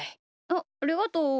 あっありがとう。